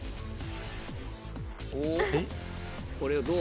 えっ？